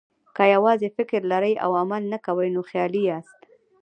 که یوازې فکر لرئ او عمل نه کوئ، نو خیالي یاست.